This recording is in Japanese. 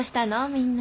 みんな。